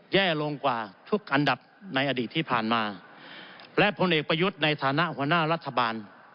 แย่ลงกว่าทุกอันดับในอดีตที่ผ่านมาและผลเอกประยุทธ์ในฐานะหัวหน้ารัฐบาล